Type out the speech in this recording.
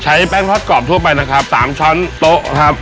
แป้งทอดกรอบทั่วไปนะครับ๓ช้อนโต๊ะครับ